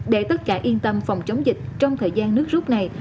để tất cả yên tâm phòng chống dịch trong thời gian nước rút này